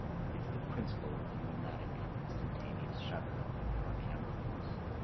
It's the principle of the pneumatic instantaneous shutter for a camera lens.